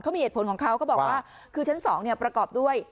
เขามีเหตุผลของเขาเขาบอกว่าคือชั้น๒เนี่ยประกอบด้วย